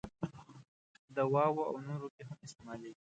دواوو او نورو کې هم استعمالیږي.